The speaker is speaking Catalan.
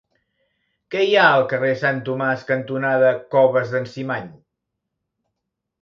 Què hi ha al carrer Sant Tomàs cantonada Coves d'en Cimany?